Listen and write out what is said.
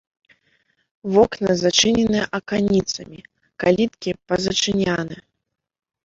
Вокны зачынены аканіцамі, каліткі пазачыняны.